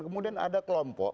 kemudian ada kelompok